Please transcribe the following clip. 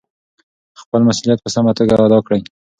خپل مسؤلیت په سمه توګه ادا کړئ.